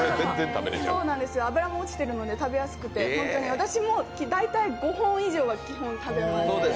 脂も落ちてるので食べやすくて私も大体５本以上は食べます。